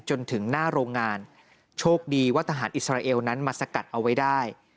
จนถึงหน้าโรงงานโชคดีว่าทหารอิสราเอลนั้นมาสกัดเอาไว้ได้